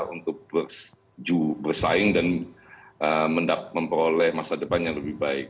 untuk bersaing dan memperoleh masa depan yang lebih baik